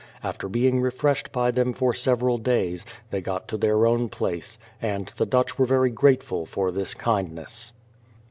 After being refreshed by them for several days, they got to their own place, and the Dutch were very grateful for this kindness.